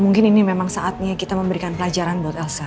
mungkin ini memang saatnya kita memberikan pelajaran buat elsa